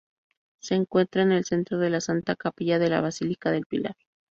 Se encuentra en el centro de la Santa Capilla de la Basílica del Pilar.